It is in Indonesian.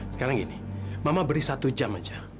sekarang gini mama beri satu jam aja